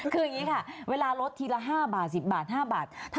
คืออย่างนี้ค่ะเวลาลดทีละ๕บาท๑๐บาท๕บาท